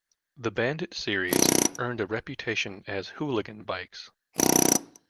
The Bandit series earned a reputation as "hooligan bikes".